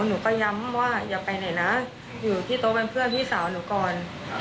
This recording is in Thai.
หนูก็ย้ำว่าอย่าไปไหนนะอยู่ที่โต๊ะเป็นเพื่อนพี่สาวหนูก่อน